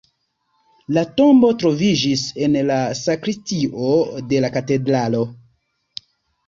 Lia tombo troviĝis en la sakristio de la katedralo.